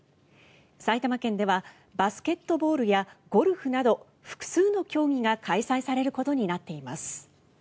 埼玉県ではバスケットボールやゴルフなど複数の競技が開催されることになっています。